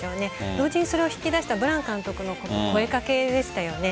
同時に、それを引き出したブラン監督の声かけでしたよね。